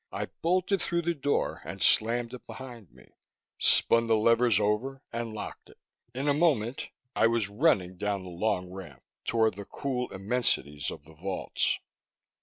I bolted through the door and slammed it behind me, spun the levers over and locked it. In a moment, I was running down a long ramp toward the cool immensities of the vaults.